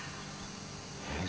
えっ？